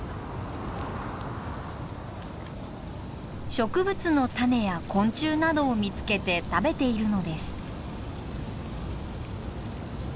植物の種や昆虫などを見つけて食べているのです。